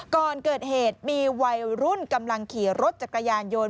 ก่อนเกิดเหตุมีวัยรุ่นกำลังขี่รถจักรยานยนต์